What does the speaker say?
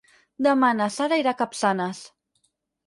Demà na Sara irà a Capçanes.